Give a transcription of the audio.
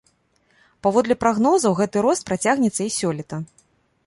Паводле прагнозаў, гэты рост працягнецца і сёлета.